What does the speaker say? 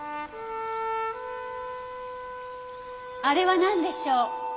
あれは何でしょう？